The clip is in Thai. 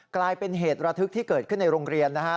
กลายเป็นเหตุระทึกที่เกิดขึ้นในโรงเรียนนะฮะ